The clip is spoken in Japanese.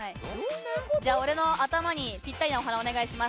じゃあ、俺の頭にぴったりの花お願いします。